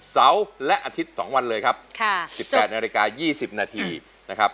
เสาร์และอาทิตย์สองวันเลยครับค่ะสิบแปดนาฬิกายี่สิบนาทีนะครับ